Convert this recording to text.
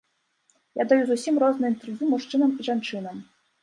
Я даю зусім розныя інтэрв'ю мужчынам і жанчынам.